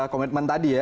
komitmen tadi ya